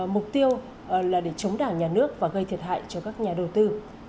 mục tiêu là để chống đảng nhà nước và gây thiệt hại cho các nhà đầu tư